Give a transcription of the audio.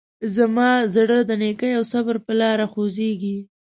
زما زړه د نیکۍ او صبر په لاره خوځېږي.